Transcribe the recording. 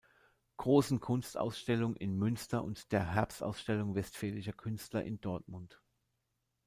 Großen Kunstausstellung in Münster und der Herbstausstellung Westfälischer Künstler in Dortmund.